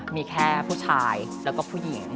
มีแค่ผู้ชายแล้วก็ผู้หญิง